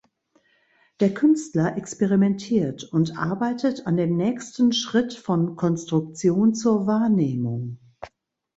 Der Künstler experimentiert und arbeitet an dem nächsten Schritt von Konstruktion zur Wahrnehmung.